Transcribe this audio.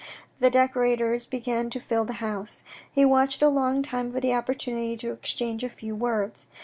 The decorators began to fill the house. He watched a long time for the opportunity to exchange a few words.